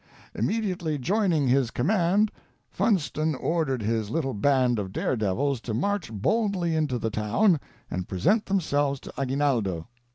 " Immediately joining his command, Funston ordered his little band of dare devils to march boldly into the town and present themselves to Aguinaldo.